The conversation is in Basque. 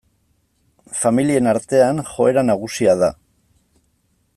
Familien artean joera nagusia da.